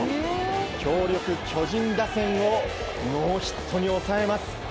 強力巨人打線をノーヒットに抑えます。